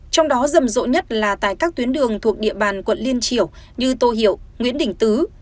trong đó rầm rộ nhất là tại các tuyến đường thuộc địa bàn quận liên triều như tô hiệu nguyễn đình tứ